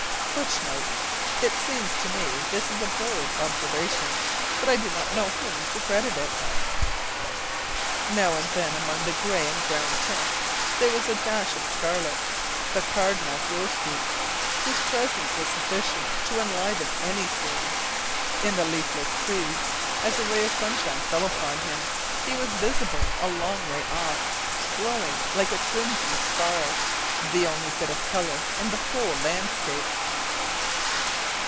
[Footnote: It seems to me this is a borrowed observation, but I do not know to whom to credit it.] Now and then, among the gray and brown tints, there was a dash of scarlet, the cardinal grosbeak, whose presence was sufficient to enliven any scene. In the leafless trees, as a ray of sunshine fell upon him, he was visible a long way off, glowing like a crimson spar, the only bit of color in the whole landscape.